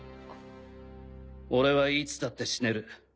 俺はいつだって死ねる。